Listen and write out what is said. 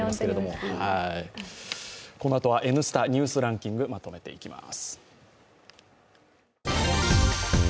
このあとは「Ｎスタ・ニュースランキング」まとめていきます。